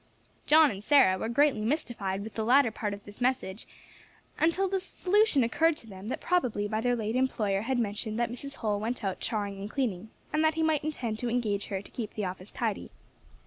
John and Sarah were greatly mystified with the latter part of this message, until the solution occurred to them that probably their late employer had mentioned that Mrs. Holl went out charring and cleaning, and that he might intend to engage her to keep the office tidy.